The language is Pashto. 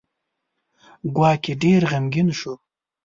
ګواکې ډېر غمګین شو.